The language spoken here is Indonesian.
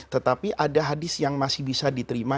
tetapi ada hadis yang masih bisa diterima